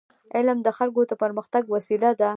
علم د خلکو د پرمختګ وسیله ده.